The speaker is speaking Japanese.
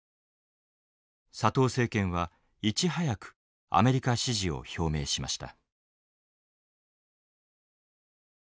佐藤政権はいち早くアメリカ支持を表明しました。